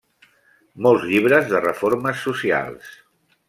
Molts llibres de reformes socials.